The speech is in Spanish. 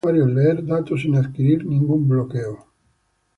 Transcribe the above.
Esto permite a usuarios leer datos sin adquirir ningún bloqueo.